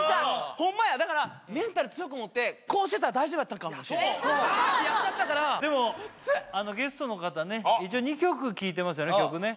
ホンマやだからメンタル強く持ってこうしてたら大丈夫やったのかもしれんそうそうそう「ああ！」ってやっちゃったからでもゲストの方ね一応２曲聞いてますよね